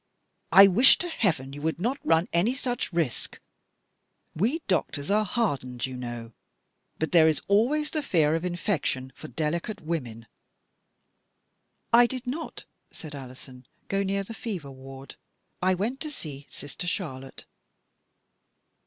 " I wish to Heaven you would not run any such risk! We doctors are hardened, you know, but there is always the fear of infec tion for delicate women." "I did not," said Alison, "go near the fever ward. I went to see — Sister Char lotte."